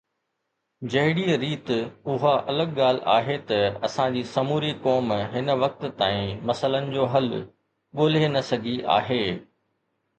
جهڙيءَ ريت اها الڳ ڳالهه آهي ته اسان جي سموري قوم هن وقت تائين مسئلن جو حل ڳولي نه سگهي آهي